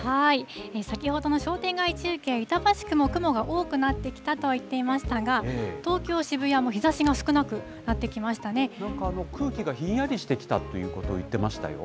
先ほどの商店街中継、板橋区も雲が多くなってきたと言ってましたが、東京・渋谷も日ざなんか、空気がひんやりしてきたということを言ってましたよ。